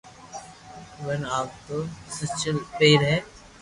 ون اُو تو بدچلن ٻئير ھي